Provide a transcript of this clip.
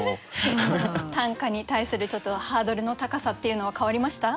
短歌に対するちょっとハードルの高さっていうのは変わりました？